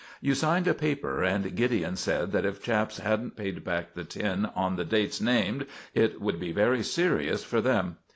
You signed a paper, and Gideon said that if chaps hadn't paid back the tin on the dates named it would be very serious for them.